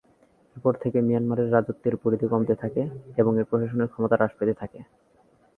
এরপর থেকে মিয়ানমারের রাজত্বের পরিধি কমতে থাকে এবং এর প্রশাসনের ক্ষমতা হ্রাস পেতে থাকে।